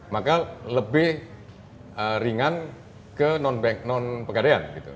maka lebih ringan ke non pegadaian